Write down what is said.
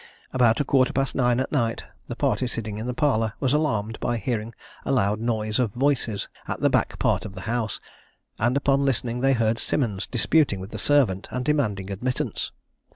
About a quarter past nine at night, the party sitting in the parlour was alarmed by hearing a loud noise of voices at the back part of the house, and upon listening they heard Simmons disputing with the servant, and demanding admittance.